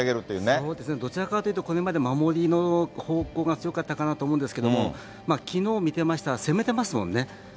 そうですね、どちらかというと、これまで守りの方向が強かったかなと思うんですけど、きのう見てましたら、攻めてますもんね。